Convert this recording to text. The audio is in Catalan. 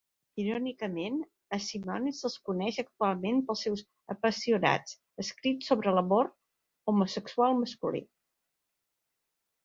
Irònicament, a Symonds se'l coneix actualment pels seus apassionats escrits sobre l'amor homosexual masculí.